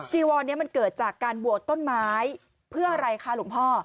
จีวอนนี้มันเกิดจากการบวชต้นไม้เพื่ออะไรคะหลวงพ่อ